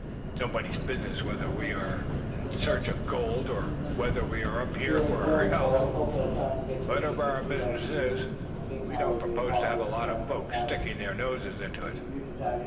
It's nobody's business whether we are in search of gold or whether we are up here for our health. Whatever our business is, we don't propose to have a lot of folks sticking their noses into it."